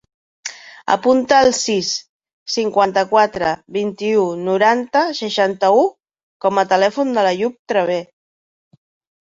Apunta el sis, cinquanta-quatre, vint-i-u, noranta, seixanta-u com a telèfon de l'Àyoub Traver.